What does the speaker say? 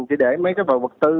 chỉ để mấy cái vật tư